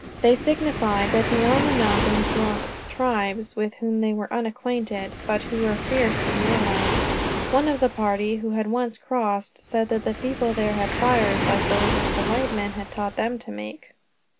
They signified that beyond the mountains dwelt tribes with whom they were unacquainted, but who were fierce and warlike. One of the party, who had once crossed, said that the people there had fires like those which the white men had taught them to make.